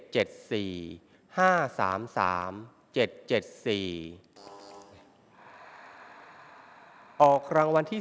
อวที่๔ครั้งที่๓๐